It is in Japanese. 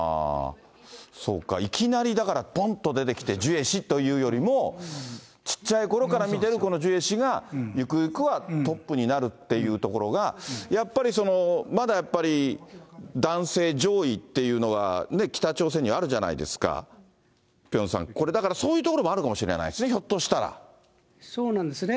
そうか、いきなり、だからぽんと出てきて、ジュエ氏というよりも、ちっちゃいころから見てるこのジュエ氏が、ゆくゆくはトップになるっていうところが、やっぱり、まだ、男性上位っていうのは、北朝鮮にあるじゃないですか、ピョンさん、これ、だからそういうところもあるのかもしれないですね、ひょっとしたそうなんですね。